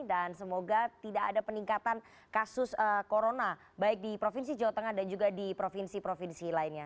dan semoga tidak ada peningkatan kasus corona baik di provinsi jawa tengah dan juga di provinsi provinsi lainnya